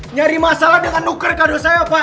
nyari masalah dengan nuker kado saya pak